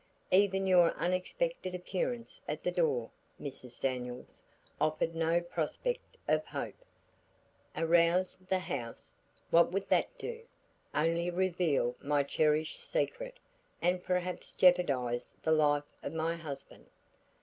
Even your unexpected appearance at the door, Mrs. Daniels, offered no prospect of hope. Arouse the house? what would that do? only reveal my cherished secret and perhaps jeopardize the life of my husband.